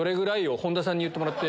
本田さんに言ってもらって。